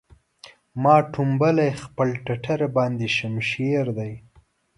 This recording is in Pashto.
ما ټومبلی خپل ټټر باندې شمشېر دی